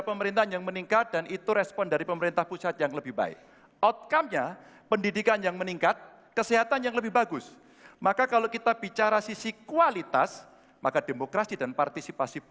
kami mohon sedian anda semua untuk berdiri menyanyikan lagu kebangsaan indonesia raya